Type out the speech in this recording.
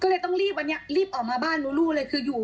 ก็เลยต้องรีบวันนี้รีบออกมาบ้านรู้รูเลยคืออยู่